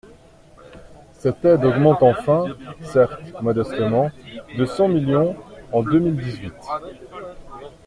Cette aide augmente enfin, certes modestement, de cent millions, en deux mille dix-huit.